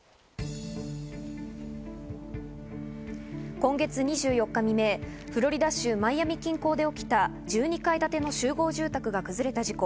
今月２４日未明、フロリダ州マイアミ近郊で起きた１２階建ての集合住宅が崩れた事故。